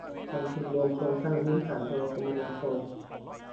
กองทุนรวมโครงสร้างพื้นฐานโทรคมนาคม